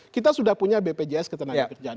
kita sudah punya bpjs ketenaga kerjaan